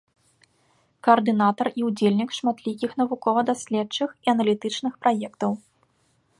Каардынатар і ўдзельнік шматлікіх навукова-даследчых і аналітычных праектаў.